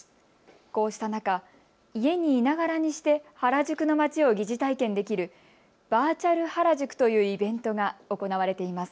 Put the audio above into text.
こうした中、家にいながらにして原宿の街を疑似体験できるバーチャル原宿というイベントが行われています。